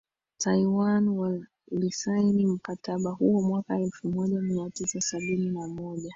taiwan walisaini mkataba huo mwaka elfu moja mia tisa sabini na moja